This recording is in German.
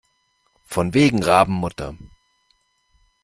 Von wegen Rabenmutter!